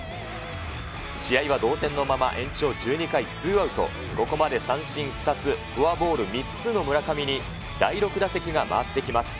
試合は同点のまま延長１２回、ツーアウト、ここまで三振２つ、フォアボール３つの村上に、第６打席が回ってきます。